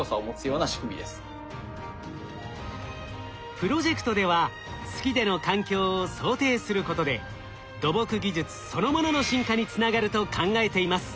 プロジェクトでは月での環境を想定することで土木技術そのものの進化につながると考えています。